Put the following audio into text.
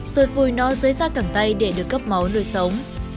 rồi phùi nó dưới da cẳng tay để được cấp máu nuôi sống